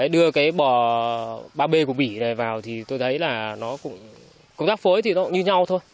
đưa cái bò ba b của bỉ này vào thì tôi thấy là nó cũng công tác phối thì nó cũng như nhau thôi